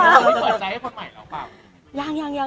มีความสวยใจให้คนใหม่หรือเปล่า